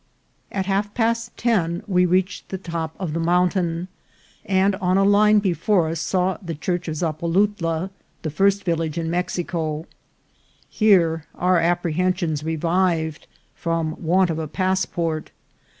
At half past ten we reached the top of the mountain, and on a line before us saw the Church of Zapolouta, the first village in Mexico. Here our apprehensions revived from want of a passport.